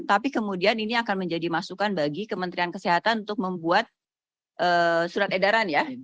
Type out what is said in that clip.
tapi kemudian ini akan menjadi masukan bagi kementerian kesehatan untuk membuat surat edaran ya